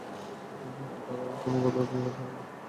তারপর তারা তা আর কখনো দেখেন না।